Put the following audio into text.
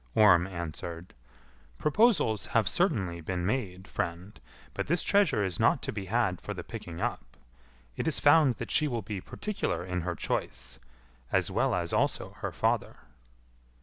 Orm answered, "Proposals have certainly been made, friend, but this treasure is not to be had for the picking up; it is found that she will be particular in her choice, as well as also her father."